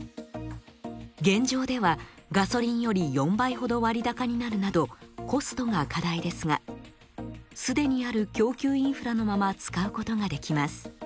現状ではガソリンより４倍ほど割高になるなどコストが課題ですが既にある供給インフラのまま使うことができます。